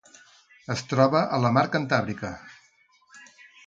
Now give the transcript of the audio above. Es troba a la Mar Cantàbrica.